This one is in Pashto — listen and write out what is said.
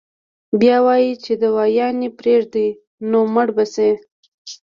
بيا وائي چې دوايانې پرېږدي نو مړه به شي -